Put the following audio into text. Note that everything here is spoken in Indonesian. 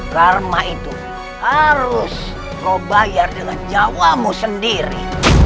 karma itu harus lo bayar dengan jawabmu sendiri